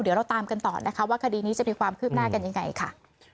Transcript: เดี๋ยวเราตามกันต่อนะคะว่าคดีนี้จะมีความคืบหน้ากันยังไงค่ะ